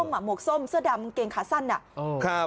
หมวกส้มอ่ะหมวกส้มเสื้อดำเกงขาสั้นอ่ะครับ